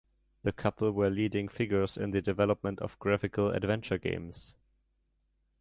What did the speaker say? The couple were leading figures in the development of graphical adventure games.